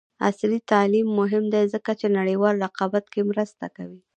عصري تعلیم مهم دی ځکه چې نړیوال رقابت کې مرسته کوي.